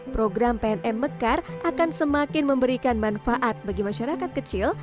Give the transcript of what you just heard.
program pnm mekar akan semakin memberikan manfaat bagi masyarakat kecil